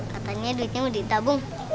katanya duitnya mau ditabung